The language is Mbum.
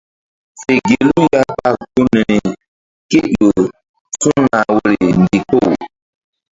Fe gelu ya ɓa gun nahri kéƴo su̧nah woyri ndikpoh.